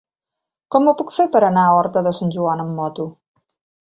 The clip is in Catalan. Com ho puc fer per anar a Horta de Sant Joan amb moto?